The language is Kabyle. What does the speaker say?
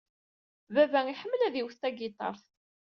Baba iḥemmel ad iwet tagiṭart.